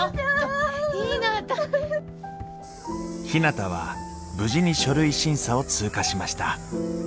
ひなたは無事に書類審査を通過しました。